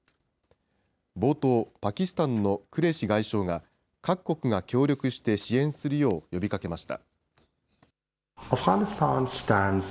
冒頭、パキスタンのクレシ外相が、各国が協力して支援するよう呼びかけました。